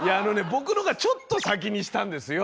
僕のがちょっと先にしたんですよ。